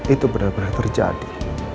itu benar benar terjadi